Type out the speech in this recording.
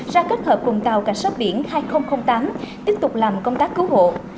ra kết hợp cùng tàu cảnh sát biển hai nghìn tám tiếp tục làm công tác cứu hộ